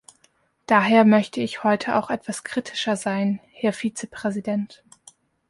Daher möchte ich heute auch etwas kritischer sein, Herr Vizepräsident.